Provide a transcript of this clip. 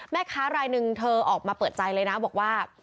แม่ค้ารายหนึ่งเธอออกมาเปิดใจเลยนะบอกว่า